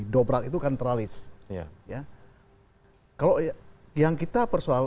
dobrak itu kan tralits